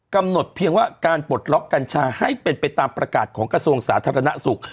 กำหนดเพียงว่าการปลดล็อกกัญชาให้เป็นไปตามประกาศของกระทรวงสาธารณสุข